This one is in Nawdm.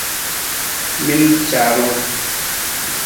Mi na caarung!